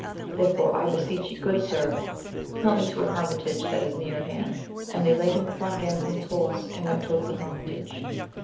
Therefore I beseech ye, good sir, help me to an hermitage which is near at hand. And they laid him upon Gandalin*s horse, and went towards the hermitage.